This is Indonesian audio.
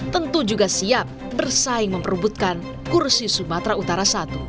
tentu juga siap bersaing memperbutkan kursi sumatera utara i